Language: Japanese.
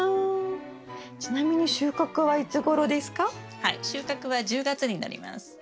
はい収穫は１０月になります。